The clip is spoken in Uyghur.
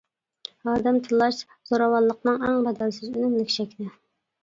ئادەم تىللاش زوراۋانلىقنىڭ ئەڭ بەدەلسىز ئۈنۈملۈك شەكلى.